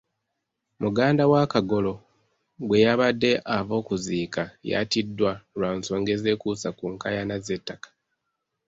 Muganda wa Kagolo gwe yabadde ava okuziika yattiddwa lwa nsonga ezekuusa ku nkaayana z'ettaka.